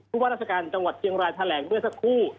อุปกรณ์รัฐกาลจังหวัดเกียงรายแถลงเมื่อสักครู่